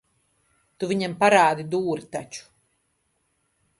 Tu viņam parādi dūri taču.